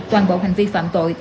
toàn bộ hành vi phạm tội